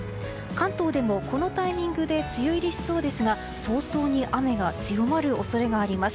関東でも、このタイミングで梅雨入りしそうですが早々に雨が強まる恐れがあります。